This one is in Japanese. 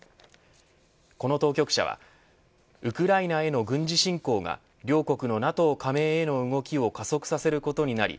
この当局者はウクライナへの軍事侵攻が両国のＮＡＴＯ加盟の動きを加速させることになり